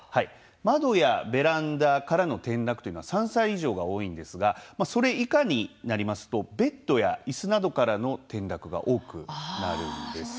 窓やベランダからの転落というのは３歳以上が多いんですがそれ以下になりますとベッドや、いすなどからの転落が多くなるんです。